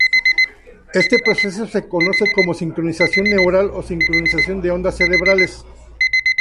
Este proceso se conoce como sincronización neuronal o sincronización de ondas cerebrales.